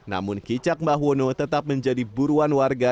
namun kicak mbah wono tetap menjadi buruan warga